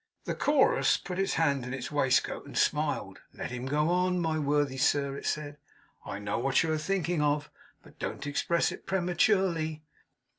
The Chorus put its hand in its waistcoat, and smiled. 'Let him go on, my worthy sir,' it said. 'I know what you are thinking of, but don't express it prematurely.